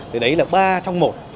thì đấy là ba trong một